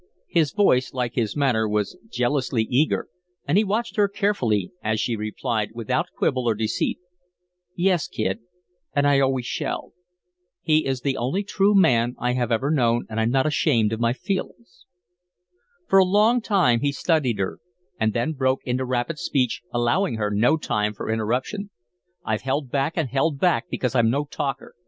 His voice, like his manner, was jealously eager, and he watched her carefully as she replied, without quibble or deceit: "Yes, Kid; and I always shall. He is the only true man I have ever known, and I'm not ashamed of my feelings." For a long time he studied her, and then broke into rapid speech, allowing her no time for interruption. "I've held back and held back because I'm no talker.